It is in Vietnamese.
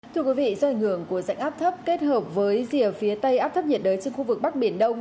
thưa quý vị do ảnh hưởng của rãnh áp thấp kết hợp với rìa phía tây áp thấp nhiệt đới trên khu vực bắc biển đông